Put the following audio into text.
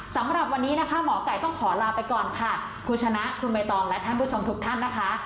สำหรับวันนี้นะคะหมอไก่ต้องขอลาไปก่อนค่ะคุณชนะคุณใบตองและท่านผู้ชมทุกท่านนะคะ